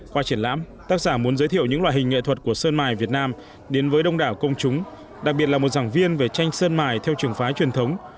qua triển lãm tác giả muốn giới thiệu những loại hình nghệ thuật của sơn mài việt nam đến với đông đảo công chúng đặc biệt là một giảng viên về tranh sơn mài theo trường phái truyền thống